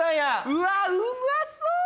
うわあうまそう！